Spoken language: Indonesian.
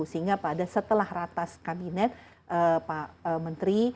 sehingga pada setelah ratas kabinet pak menteri